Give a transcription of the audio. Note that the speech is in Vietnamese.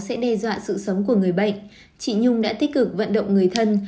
sẽ đe dọa sự sống của người bệnh chị nhung đã tích cực vận động người thân